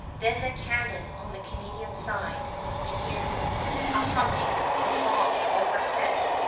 Then the cannon on the Canadian side begin a humming of bombs overhead.